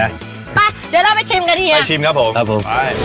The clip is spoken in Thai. มาเดี๋ยวเราไปชิมกันเฮียไปชิมครับผมครับผม